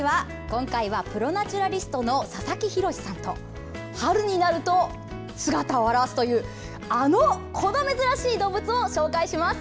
今回はプロ・ナチュラリストの佐々木洋さんと春になると姿を現すというこの珍しい動物を紹介します。